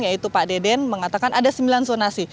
yaitu pak deden mengatakan ada sembilan zonasi